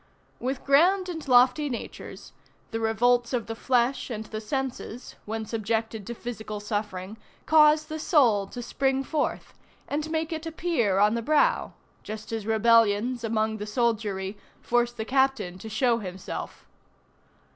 With grand and lofty natures, the revolts of the flesh and the senses when subjected to physical suffering cause the soul to spring forth, and make it appear on the brow, just as rebellions among the soldiery force the captain to show himself.